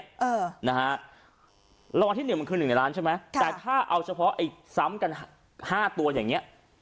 นะฮะรางวัลที่๑มันคือ๑ในล้านใช่ไหมแต่ถ้าเอาเฉพาะอีกซ้ำกัน๕ตัวอย่างนี้